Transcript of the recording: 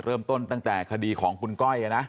เริ่มต้นตั้งแต่คดีของคุณก้อยนะ